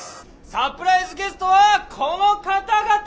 サプライズゲストはこの方々！